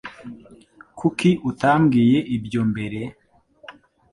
Kuki utambwiye ibyo mbere?